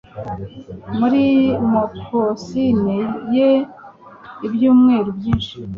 muri mokkasine ye ibyumweru byinshi